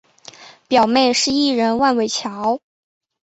表妹是艺人万玮乔。